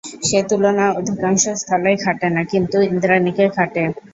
সে তুলনা অধিকাংশ স্থলেই খাটে না, কিন্তু ইন্দ্রাণীকে খাটে।